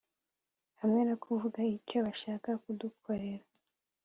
Hamwe no kuvuga icyo bashaka kudukorera